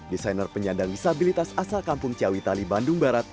desainer penyandang disabilitas asal kampung ciawitali bandung barat